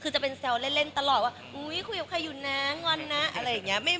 คือจะเป็นแซวเล่นตลอดว่าอุ๊ยคุยกับใครอยู่นะงอนนะอะไรอย่างนี้